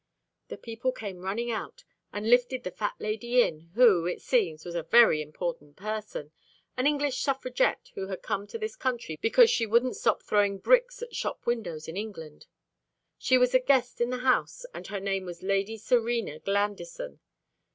The people came running out, and lifted the fat lady in, who, it seems, was a very important person an English suffragette who had come to this country because she wouldn't stop throwing bricks at shop windows in England. She was a guest in the house and her name was Lady Serena Glandison.